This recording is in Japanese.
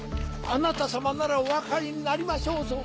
あなた様ならお分かりになりましょうぞ。